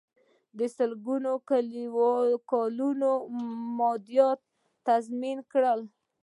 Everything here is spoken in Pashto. د سلګونو کلونو مادیات تضمین کړل.